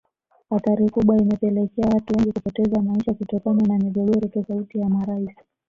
Athari kubwa imepelekea watu wengi kupoteza maisha kutokana na migogoro tofauti ya marais